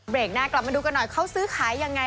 หน้ากลับมาดูกันหน่อยเขาซื้อขายยังไง